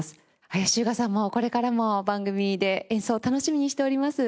林周雅さんもこれからも番組で演奏を楽しみにしております。